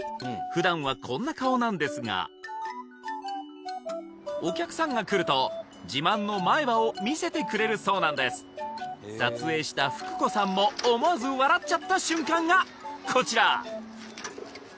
普段はこんな顔なんですがお客さんが来ると自慢の前歯を見せてくれるそうなんです撮影したフク子さんも思わず笑っちゃった瞬間がこちら！